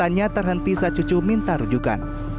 korbannya terhenti saat cucu minta rujukan